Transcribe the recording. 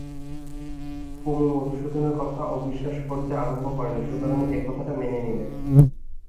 কুমু মধুসূদনের কথা অবিশ্বাস করতে আরম্ভ করে নি, সুতরাং এ কথাটাও মেনে নিলে।